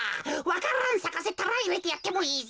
わか蘭さかせたらいれてやってもいいぜ。